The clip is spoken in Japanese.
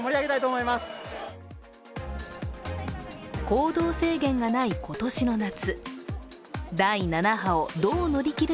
行動制限がない今年の夏。